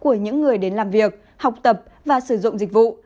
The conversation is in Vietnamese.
của những người đến làm việc học tập và sử dụng dịch vụ